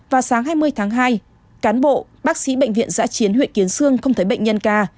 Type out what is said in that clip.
vào sáng hai mươi tháng hai cán bộ bác sĩ bệnh viện giã chiến huyện kiến sương không thấy bệnh nhân ca